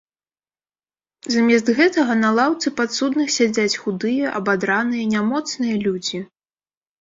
Замест гэтага на лаўцы падсудных сядзяць худыя, абадраныя, нямоцныя людзі.